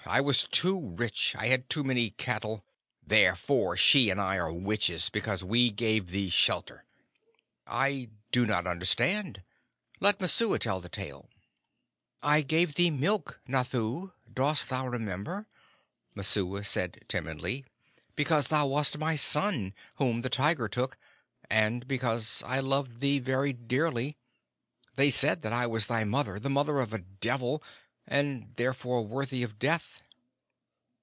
I was too rich. I had too many cattle. Therefore she and I are witches, because we gave thee shelter." "I do not understand. Let Messua tell the tale." "I gave thee milk, Nathoo; dost thou remember?" Messua said timidly. "Because thou wast my son, whom the tiger took, and because I loved thee very dearly. They said that I was thy mother, the mother of a devil, and therefore worthy of death."